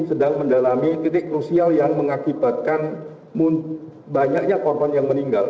sedang mendalami titik krusial yang mengakibatkan banyaknya korban yang meninggal